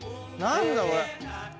何だこれ。